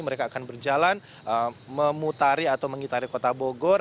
mereka akan berjalan memutari atau mengitari kota bogor